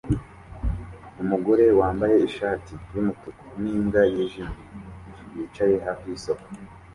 Umugore wambaye ishati yumutuku nimbwa yijimye yicaye hafi yisoko